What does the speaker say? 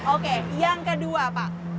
oke yang kedua pak